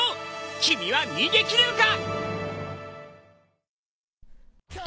君は逃げ切れるか！？